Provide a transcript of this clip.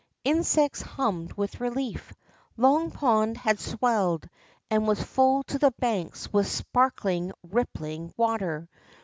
Insects hummed with relief. Long Pond had swelled, and was full to the banks with spark ling, rippling water.